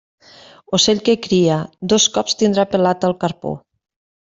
Ocell que cria, dos cops tindrà pelat el carpó.